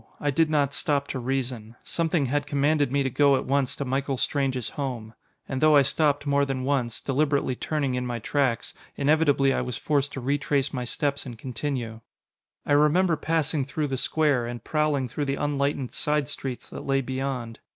I did not stop to reason. Something had commanded me to go at once to Michael Strange's home. And though I stopped more than once, deliberately turning in my tracks, inevitably I was forced to retrace my steps and continue. I remember passing through the square, and prowling through the unlightened side streets that lay beyond.